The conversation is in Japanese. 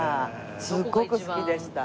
すごく好きでした。